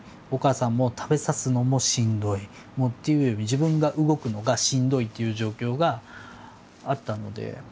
お母さんも食べさすのもしんどい。っていうより自分が動くのがしんどいっていう状況があったので。